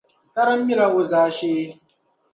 Tarim’ mila o zaashee.